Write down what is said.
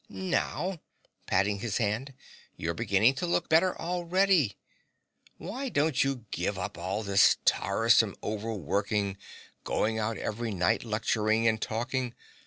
Now (patting his hand) you're beginning to look better already. Why don't you give up all this tiresome overworking going out every night lecturing and talking?